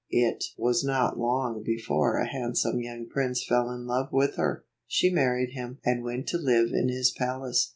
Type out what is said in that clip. It was not long before a handsome young prince fell in love with her. She married him, and went to live in his palace.